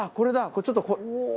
これちょっと。